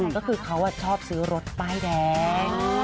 ก็คือเขาชอบซื้อรถป้ายแดง